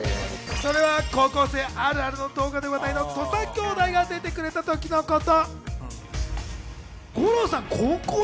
それは高校生あるあるの動画で話題の土佐兄弟が出てくれたときのこと。